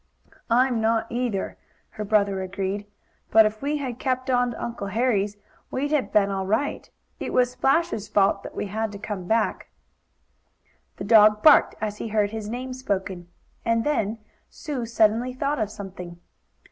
"I'm not, either," her brother agreed. "But if we had kept on to Uncle Henry's we'd have been all right. It was Splash's fault that we had to come back." The dog barked, as he heard his name spoken. And then Sue suddenly thought of something.